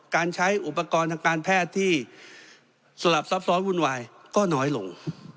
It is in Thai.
การใช้อุปกรณ์ทางการแพทย์ที่สลับซับซ้อนวุ่นวายก็น้อยลง